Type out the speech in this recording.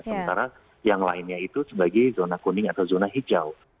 sementara yang lainnya itu sebagai zona kuning atau zona hijau